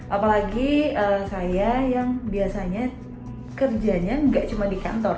apalagi saya yang biasanya kerjanya nggak cuma di kantor